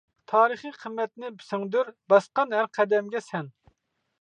تارىخى قىممەتنى سىڭدۈر، باسقان ھەر قەدەمگە سەن.